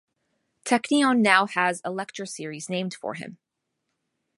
Technion now has a lecture series named for him.